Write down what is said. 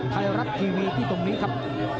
ไทยรัฐทีวีที่ตรงนี้ครับ